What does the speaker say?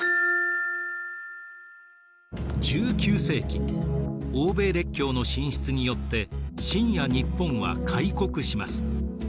１９世紀欧米列強の進出によって清や日本は開国します。